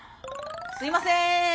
すいません。